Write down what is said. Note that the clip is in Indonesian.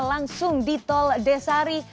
langsung di tol desari